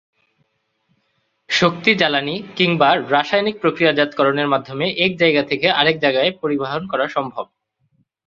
শক্তি জ্বালানি কিংবা রাসায়নিক প্রক্রিয়াজাতকরণের মাধ্যমে এক জায়গা থেকে আরেক জায়গায় পরিবহন করা সম্ভব।